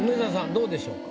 どうでしょうか？